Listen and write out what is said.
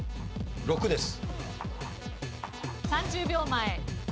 ３０秒前。